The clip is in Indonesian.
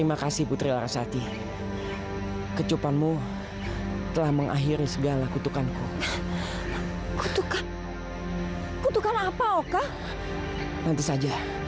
aku akan pergi mencari dia